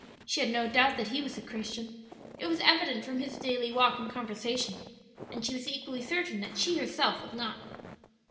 She had no doubt that he was a Christian; it was evident from his daily walk and conversation; and she was equally certain that she herself was not.